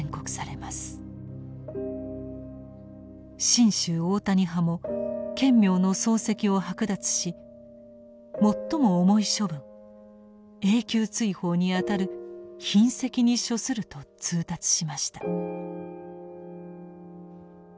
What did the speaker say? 真宗大谷派も顕明の僧籍を剥奪し最も重い処分永久追放にあたる「擯斥」に処すると通達しました。